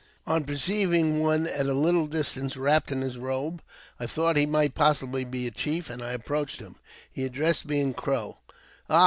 On per ceiving one at a httle distance wrapped in his robe, I thought he might possibly be a chief, and I approached him. He addressed me in Crow, "Ah!